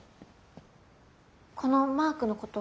このマークのこと？